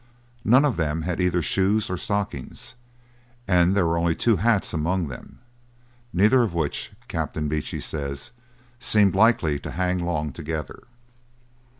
None of them had either shoes or stockings, and there were only two hats among them, 'neither of which,' Captain Beechey says, 'seemed likely to hang long together.'